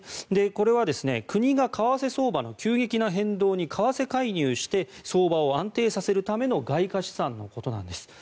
これは国が為替相場の急激な変動に為替介入して相場を安定させるための外貨資産のことなんです。